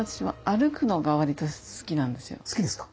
好きですか？